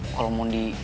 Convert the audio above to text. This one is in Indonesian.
kalo mau di